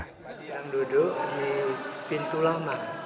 di dalam duduk ada pintu lama